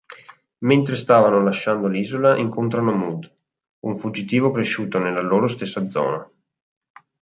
Mentre stanno lasciando l'isola incontrano Mud, un fuggitivo cresciuto nella loro stessa zona.